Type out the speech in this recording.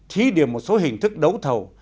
thí điểm một số hình thức đấu thầu